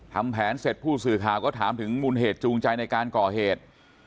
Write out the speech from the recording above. ทำแผนเสร็จผู้สื่อข่าวก็ถามถึงมูลเหตุจูงใจในการก่อเหตุ